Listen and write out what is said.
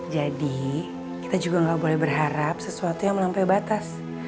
jadi kita juga gak boleh berharap sesuatu yang melampaui batas